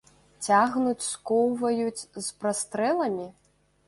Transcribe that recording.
Цягнуць, скоўваюць, з прастрэламі?